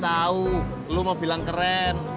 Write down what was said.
tapi aku nggak mau bilang keren